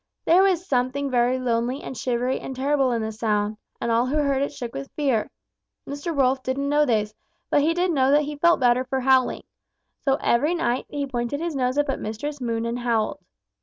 There was something very lonely and shivery and terrible in the sound, and all who heard it shook with fear. Mr. Wolf didn't know this, but he did know that he felt better for howling. So every night he pointed his nose up at Mistress Moon and howled.